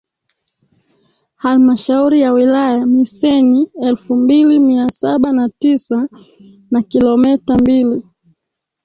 Halmashauri ya Wilaya Missenyi elfu mbili mia saba na tisa na kilometa mbili